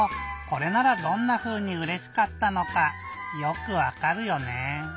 これならどんなふうにうれしかったのかよくわかるよね。